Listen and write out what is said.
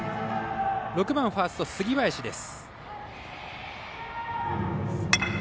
６番ファーストの杉林です。